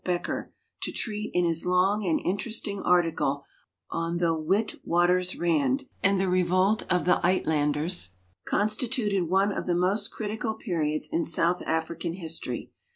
Becker to treat in his long and interesting article on the Witwatersrand and the Revolt of the Uitlanders, constituted one of the most critical periods in South African history.